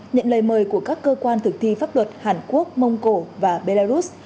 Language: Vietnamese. nhận lời mời của các cơ quan thực thi pháp luật hàn quốc mông cổ và belarus